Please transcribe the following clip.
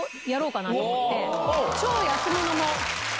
超安物も。